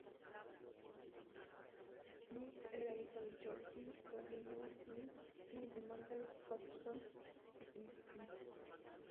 Schmidt era hijo de George W. Schmidt y de Margaret Patterson Schmidt.